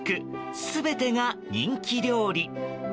全てが人気料理。